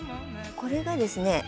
これがですね